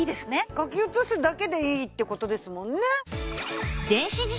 書き写すだけでいいって事ですもんね。